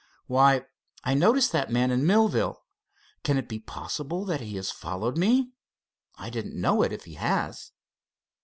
"Why, I noticed that man in Millville. Can it be possible that he has followed me? I didn't know it, if he has."